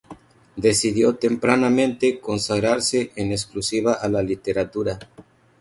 Decidió tempranamente consagrarse en exclusiva a la literatura.